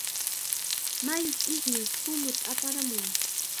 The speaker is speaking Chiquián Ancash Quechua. Mayush ismush kulluta aparamun.